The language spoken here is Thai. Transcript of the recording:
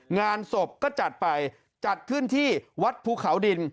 งานศพก็จัดไปจัดขึ้นที่วัดภูเขาดิน